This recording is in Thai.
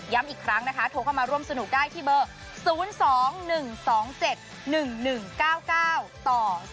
อีกครั้งนะคะโทรเข้ามาร่วมสนุกได้ที่เบอร์๐๒๑๒๗๑๑๙๙ต่อ๒